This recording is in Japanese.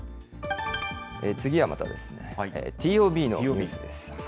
次はまたＴＯＢのニュースです。